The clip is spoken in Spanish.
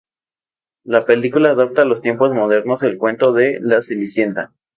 La película adapta a los tiempos modernos el cuento de "La cenicienta".